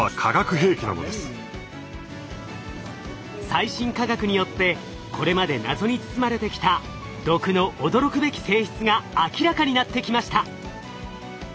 最新科学によってこれまで謎に包まれてきた毒の驚くべき性質が明らかになってきました。